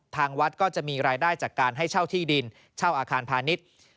ทางวัดก็จะมีรายได้จากการให้เช่าที่ดินเช่าอาคารพาณิชย์